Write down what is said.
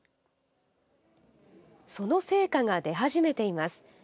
その成果が出始めています。